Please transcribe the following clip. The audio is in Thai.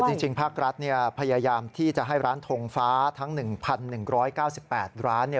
คือจริงภาครัฐพยายามที่จะให้ร้านทงฟ้าทั้ง๑๑๙๘ร้าน